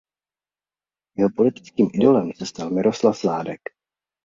Jeho politickým idolem se stal Miroslav Sládek.